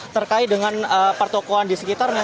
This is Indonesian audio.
terkait dengan pertokohan di sekitarnya